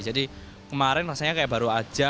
jadi kemarin rasanya kayak baru aja